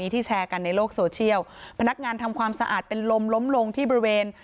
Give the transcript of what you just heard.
ที่แชร์กันในโลกโซเชียลพนักงานทำความสะอาดเป็นลมล้มลงที่บริเวณ